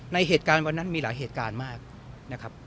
ในเหตุการณ์วันนั้นมีหลายเหตุการณ์มากนะครับ